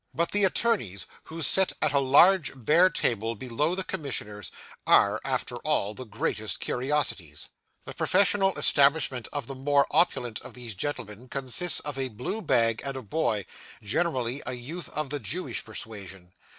But the attorneys, who sit at a large bare table below the commissioners, are, after all, the greatest curiosities. The professional establishment of the more opulent of these gentlemen, consists of a blue bag and a boy; generally a youth of the Jewish persuasion.